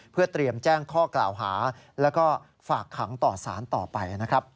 เพื่อเตรียมแจ้งข้อกล่าวหาแล้วก็ฝากขังต่อสารต่อไปนะครับ